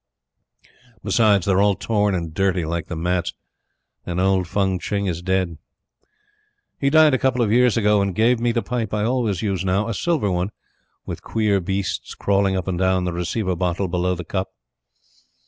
Besides, they are all torn and dirty, like the mats, and old Fung Tching is dead. He died a couple of years ago, and gave me the pipe I always use now a silver one, with queer beasts crawling up and down the receiver bottle below the cup.